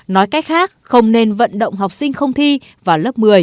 nói cách khác không nên vận động học sinh không thi vào lớp một mươi